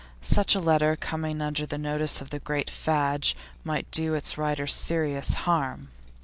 Such a letter, coming under the notice of the great Fadge, might do its writer serious harm.